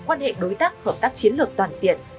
quan hệ đối tác hợp tác chiến lược toàn diện